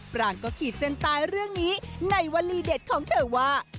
ปรางก็ขีดเส้นตายเรื่องนี้ในวลีเด็ดของเธอว่า